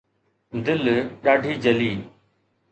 دل ڏاڍي جلي